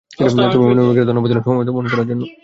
তবে মনে মনে মেয়েকে ধন্যবাদ দিলাম, সময় মতো ফোন করার জন্য।